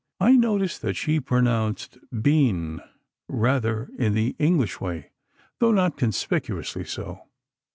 I noticed that she pronounced "been" rather in the English way, though not conspicuously so.